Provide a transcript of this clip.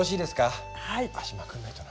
足まくんないとな。